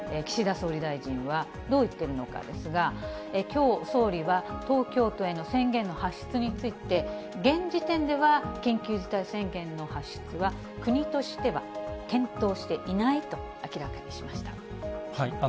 岸田総理大臣はどう言っているのかですが、きょう、総理は東京都への宣言の発出について、現時点では緊急事態宣言の発出は、国としては検討していないと明らかにしました。